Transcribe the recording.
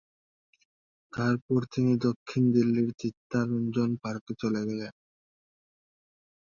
পরে তিনি দক্ষিণ দিল্লির চিত্তরঞ্জন পার্কে চলে যান।